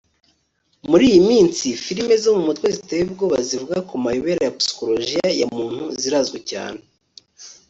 Muri iyi minsi filime zo mu mutwe ziteye ubwoba zivuga ku mayobera ya psychologiya ya muntu zirazwi cyane